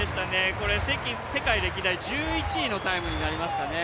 これ、世界歴代１１位のタイムになりますかね